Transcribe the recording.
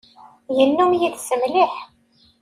Yennum yid-s mliḥ.